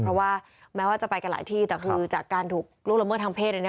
เพราะว่าแม้ว่าจะไปกันหลายที่แต่คือจากการถูกล่วงละเมิดทางเพศ